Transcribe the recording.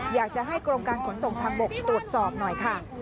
อยากจะให้กรมการขนส่งทางบกตรวจสอบหน่อยค่ะ